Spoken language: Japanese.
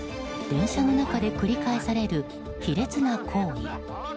電車の中で繰り返される卑劣な行為。